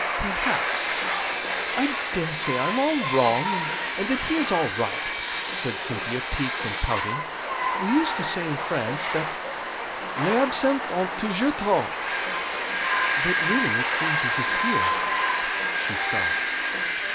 "Perhaps. I daresay I'm all wrong, and that he is all right," said Cynthia, piqued and pouting. "We used to say in France, that 'les absens ont toujours tort,' but really it seems as if here " she stopped.